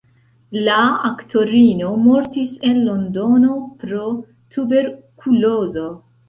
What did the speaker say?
La aktorino mortis en Londono pro tuberkulozo.